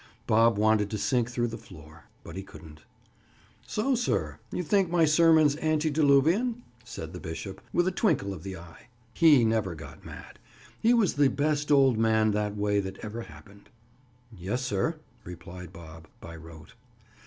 Bob wanted to sink through the floor, but he couldn't. "So, sir, you think my sermons antediluvian?" said the bishop, with a twinkle of the eye. He never got mad, he was the best old man that way that ever happened. "Yes, sir," replied Bob, by rote.